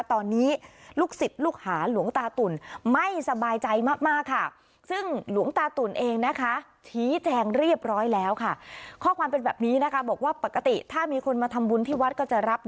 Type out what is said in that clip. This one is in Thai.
ตอนนี้ลูกศิษย์ลูกหาหลวงตาตุ่นไม่สบายใจมากค่ะ